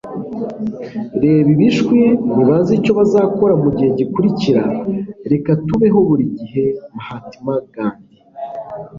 reba ibishwi; ntibazi icyo bazakora mugihe gikurikira. reka tubeho buri gihe. - mahatma gandhi